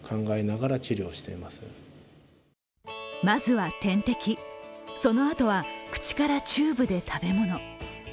まずは点滴、そのあとは口からチューブで食べ物。